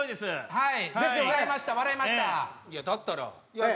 はい。